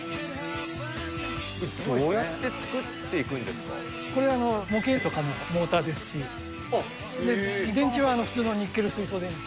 どうやって作っていくんですこれは模型とかのモーターですし、電池は普通のニッケル水素電池。